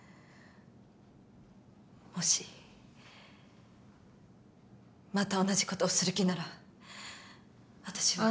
もしまた同じことをする気なら私は。